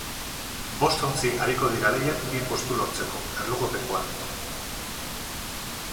Bost ontzi ariko dira lehian bi postu lortzeko, erlojupekoan.